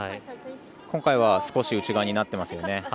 今回は少し内側になっていますよね。